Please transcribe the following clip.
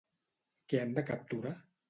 Què han de capturar?